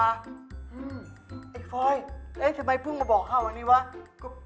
ไอฟ้อยทำไมเพิ่งมาบอกข้าวที่นี่ก็